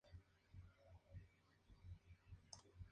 Ken Shamrock lo reemplazó.